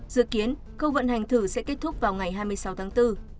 dự kiến khâu vận hành thử sẽ kết thúc vào ngày hai mươi sáu tháng bốn